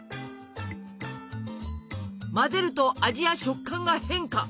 混ぜると味や食感が変化！